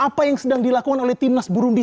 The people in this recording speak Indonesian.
apa yang sedang dilakukan oleh timnas burundi